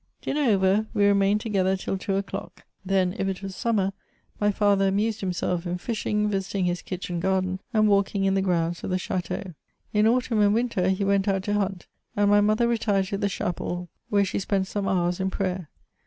Dinner over, we remained together till two o'clock ; then, if it was summer, my father amused himself in fishing, visiting his kitchen garden, and walking in the grounds of the cha teau. In autumH and winter, he went out to hunt : and my mother retired to the chapel, where she spent some hours in prayer.